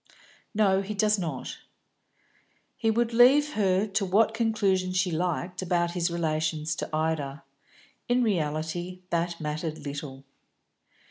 "No, he does not." He would leave her to what conclusion she liked about his relations to Ida; in reality that mattered little.